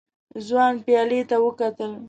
ځوان پيالې ته وکتل.